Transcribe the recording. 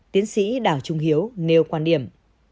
tiến sĩ đảo trung hiếu nêu quan điểm